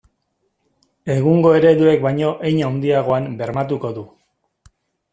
Egungo ereduek baino hein handiagoan bermatuko du.